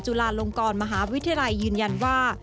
จุฬาลงกรมหาวิทยาลัยยืนยันว่า